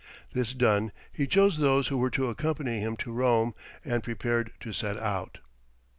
This done, he chose those who were to accompany him to Rome, and prepared to set out.